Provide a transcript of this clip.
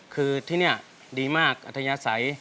คือที่นี่ดีมากอัธยาศัย